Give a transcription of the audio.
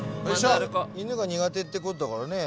犬が苦手ってことだからね。